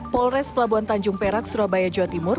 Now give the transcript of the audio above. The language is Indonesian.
polres pelabuhan tanjung perak surabaya jawa timur